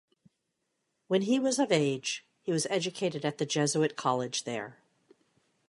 When he was of age, he was educated at the Jesuit college there.